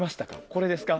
これですか？